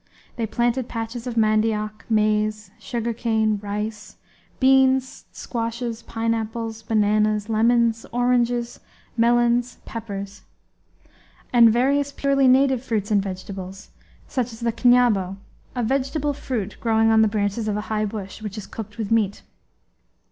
They planted patches of mandioc, maize, sugarcane, rice, beans, squashes, pineapples, bananas, lemons, oranges, melons, peppers; and various purely native fruits and vegetables, such as the kniabo a vegetable fruit growing on the branches of a high bush which is cooked with meat.